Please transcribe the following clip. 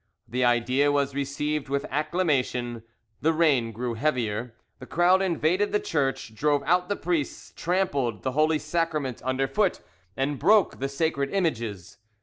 The idea was received with acclamation: the rain grew heavier, the crowd invaded the church, drove out the priests, trampled the Holy Sacrament under foot, and broke the sacred images.